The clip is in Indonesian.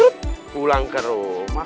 pulang ke rumah